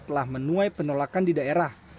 telah menuai penolakan di daerah